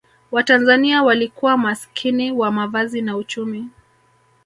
watanzania walikuwa maskini wa mavazi na uchumi